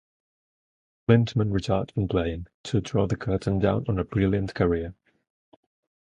Klinsmann retired from playing, to draw the curtain down on a brilliant career.